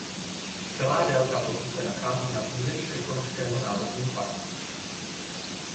Celá délka toku se nachází na území Krkonošského národního parku.